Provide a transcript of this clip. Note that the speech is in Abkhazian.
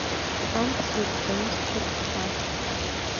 Амца еиқәҵаны сшәырԥха…